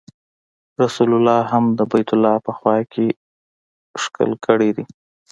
رسول الله هم د بیت الله په خوا کې ښکل کړی دی.